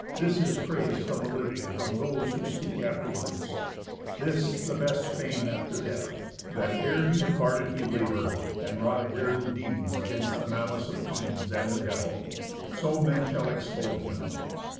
This is praise from the living, From those who speak afterwards, this the best fame after death ŌĆö That ere he departed he labored, and wrought daring deeds 'Gainst the malice of fiends, and the devil; so men shall extol him.